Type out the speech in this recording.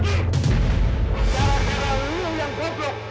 secara secara lu yang goblok